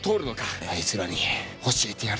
あいつらに教えてやる。